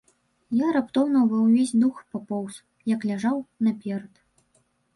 І раптоўна ва ўвесь дух папоўз, як ляжаў, наперад.